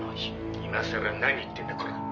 「今さら何言ってんだこら！」